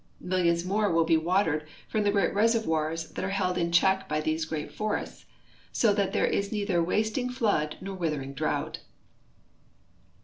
Millions more will be watered from the great reservoirs that are held in check by these great forests, so that there is neither wasting flood nor withering drought.